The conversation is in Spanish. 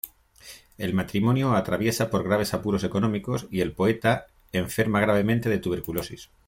El matrimonio atraviesa por graves apuros económicos y el poeta enferma gravemente de tuberculosis.